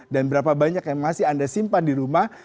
berapa banyak yang masih anda simpan di rumah